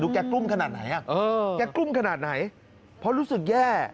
แกกลุ้มขนาดไหนแกกลุ้มขนาดไหนเพราะรู้สึกแย่